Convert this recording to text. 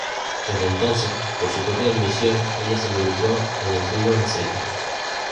Desde entonces, por su propia admisión, ella se involucró de fútbol en serio.